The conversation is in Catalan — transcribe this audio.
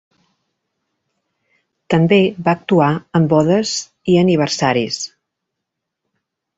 També va actuar en bodes i aniversaris.